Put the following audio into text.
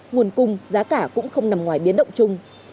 nguồn cung giá cả cũng không nằm ngoài biến động chung